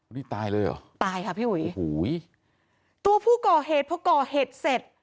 นี่ค่ะตายเลยเหรอตายค่ะพี่อุ๋ยตัวผู้ก่อเห็นพ่อก่อเห็นเสร็จ